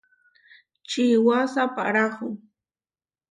Čiwá saʼpárahu.